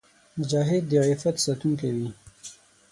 مجاهد د عفت ساتونکی وي.